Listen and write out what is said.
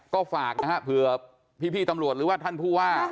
ก็ฝากนะฮะเผื่อพี่ตำรวจหรือว่าท่านผู้ว่า